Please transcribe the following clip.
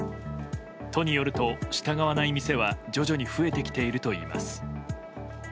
都によると従わない店は徐々に増えてきているといいます。